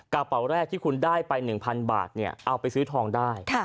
กระเป๋าแรกที่คุณได้ไป๑๐๐๐บาทเอาไปซื้อทองได้